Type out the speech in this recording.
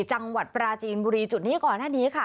จังหวัดปราจีนบุรีจุดนี้ก่อนหน้านี้ค่ะ